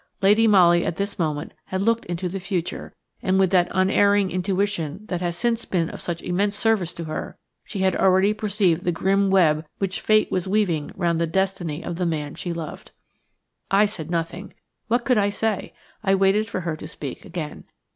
Lady Molly at this moment had looked into the future, and with that unerring intuition which has since been of such immense service to her she had already perceived the grim web which Fate was weaving round the destiny of the man she loved. I said nothing. What could I say? I waited for her to speak again.